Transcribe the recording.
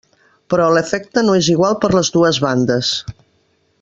Però l'efecte no és igual per les dues bandes.